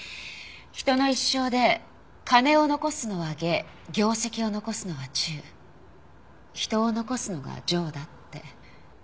人の一生で金を残すのは下業績を残すのは中人を残すのが上だって。